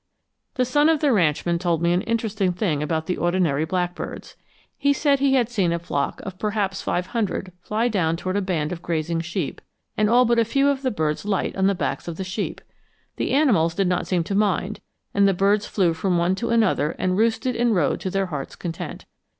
The son of the ranchman told me an interesting thing about the ordinary blackbirds. He said he had seen a flock of perhaps five hundred fly down toward a band of grazing sheep, and all but a few of the birds light on the backs of sheep. The animals did not seem to mind, and the birds flew from one to another and roosted and rode to their heart's content.